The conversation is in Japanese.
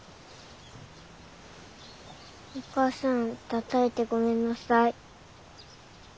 お母さんたたいてごめんなさい。